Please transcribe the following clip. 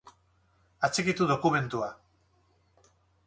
Atxikitu dokumentua.